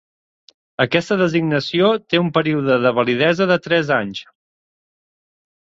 Aquesta designació té un període de validesa de tres anys.